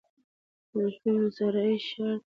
الفیوم یو صحرايي ښارګوټی دی.